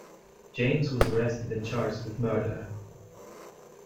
James was arrested and charged with murder.